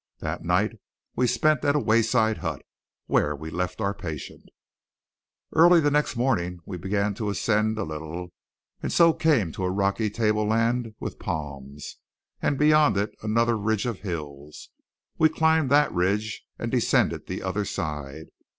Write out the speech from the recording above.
That night we spent at a wayside hut, where we left our patient. Early the next morning we began to ascend a little; and so came to a rocky tableland with palms, and beyond it another ridge of hills. We climbed that ridge and descended the other side.